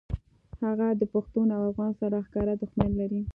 هغه د پښتون او افغان سره ښکاره دښمني لري